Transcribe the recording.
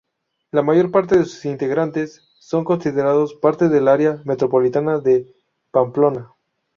La mayor parte de sus integrantes son considerados parte del Área metropolitana de Pamplona.